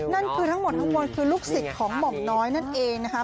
นั่นคือทั้งหมดทั้งมวลคือลูกศิษย์ของหม่อมน้อยนั่นเองนะคะ